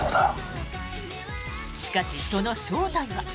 しかしその正体は。